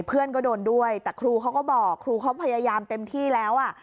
เพื่อนก็โดนด้วยแต่ครูเขาก็บอกครูเขาพยายามเต็มที่แล้วอ่ะ